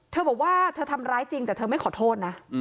เธอบอกว่าเธอทำร้ายจริงแต่เธอไม่ขอโทษนะ